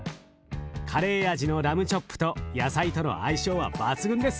カレー味のラムチョップと野菜との相性は抜群です。